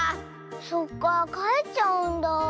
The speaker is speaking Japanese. そっかかえっちゃうんだ。